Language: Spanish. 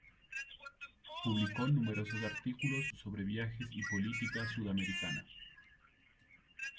Publicó numerosos artículos sobre viajes y política sudamericana.